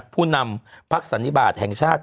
ผู้นำพักสันนิบาทแห่งชาติ